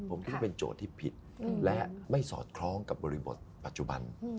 ผมคิดว่าเป็นโจทย์ที่ผิดและไม่สอดคล้องกับบริบทปัจจุบัน